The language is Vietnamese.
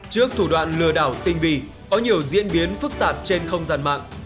trước thủ đoạn lừa đảo tinh vì có nhiều diễn biến phức tạp trên không gian mạng